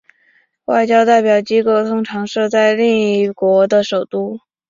外交代表机构通常设在另一国的首都。